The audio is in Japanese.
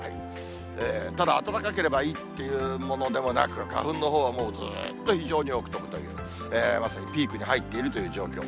ただ、暖かければいいというものではなく、花粉のほうはもうずっと非常多く飛ぶという、まさにピークに入っているという状況。